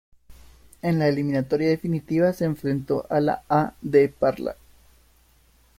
En la eliminatoria definitiva se enfrentó a la A. D. Parla.